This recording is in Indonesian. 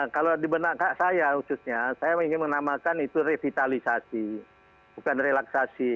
kalau di benak kak saya khususnya saya ingin menamakan itu revitalisasi bukan relaksasi